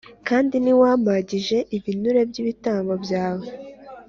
kandi ntiwampagije ibinure by ibitambo byawe